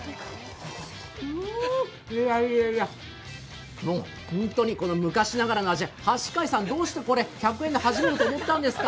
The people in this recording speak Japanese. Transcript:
いやいやいや、ほんとに昔ながらの味、橋階さん、どうして１００円で始めようと思ったんですか？